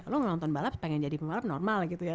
lo nonton balap pengen jadi pembalap normal gitu ya